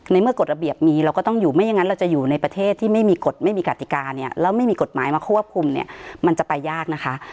เมื่อกฎระเบียบมีเราก็ต้องอยู่ไม่อย่างนั้นเราจะอยู่ในประเทศที่ไม่มีกฎไม่มีกติกาเนี่ยแล้วไม่มีกฎหมายมาควบคุมเนี่ยมันจะไปยากนะคะ